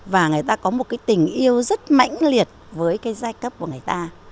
và người ta có một cái tình yêu rất mãnh liệt với cái giai cấp của người ta